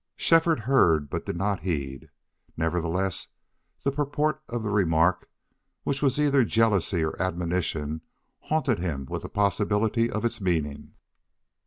Shefford heard, but did not heed. Nevertheless, the purport of the remark, which was either jealousy or admonition, haunted him with the possibility of its meaning.